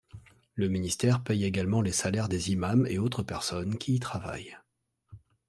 Le Ministère paie également les salaires des imams et autres personnes qui y travaillent.